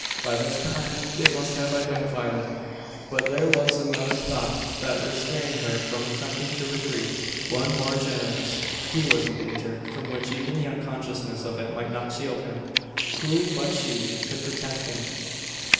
By this time they must have identified it! But there was another thought that restrained her from attempting to retreat one more generous. He was in danger from which even the unconsciousness of it might not shield him! Who but she could protect him?